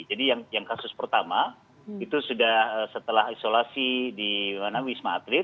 jadi yang kasus pertama itu sudah setelah isolasi di wisma atlet